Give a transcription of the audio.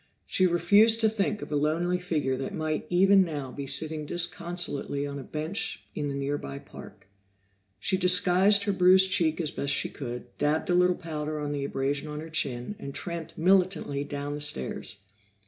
She refused to think of a lonely figure that might even now be sitting disconsolately on a bench in the near by park. She disguised her bruised cheek as best she could, dabbed a little powder on the abrasion on her chin, and tramped militantly down the stairs.